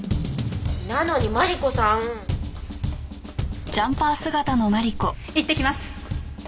なのにマリコさん。いってきます。